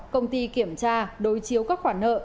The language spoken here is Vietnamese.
công ty kiểm tra đối chiếu các khoản nợ